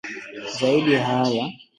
Zaidi ya haya